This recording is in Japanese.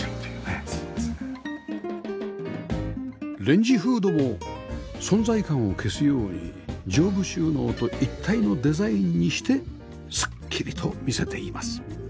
レンジフードも存在感を消すように上部収納と一体のデザインにしてすっきりと見せています